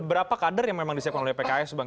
berapa kader yang memang disiapkan oleh pks bang